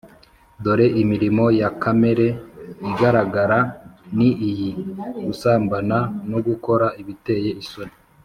Dore imirimo ya kamere iragaragara; ni iyi: gusambana, no gukora ibiteye isoni